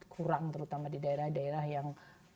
kurang terutama di daerah daerah yang